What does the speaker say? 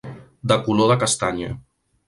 De color de castanya.